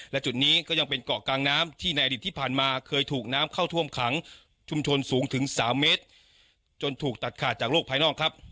และจุดนี้ก็ยังเป็นเกาะกลางน้ำที่ในอดีตที่ผ่านมาเคยถูกน้ำเข้าท่วมขังชุมชนสูงถึง๓เมตรจนถูกตัดขาดจากโลกภายนอกครับ